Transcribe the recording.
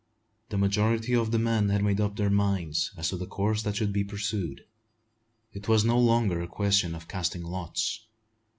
The majority of the men had made up their minds as to the course that should be pursued. It was no longer a question of casting lots.